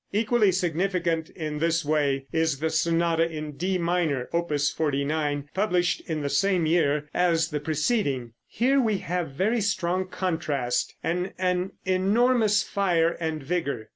Equally significant in this way is the sonata in D minor, Opus 49, published in the same year as the preceding. Here we have very strong contrast and an enormous fire and vigor.